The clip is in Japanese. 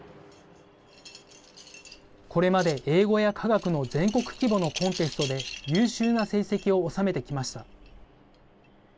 これまで、英語や科学の全国規模のコンテストで優秀な成績を収めてきました。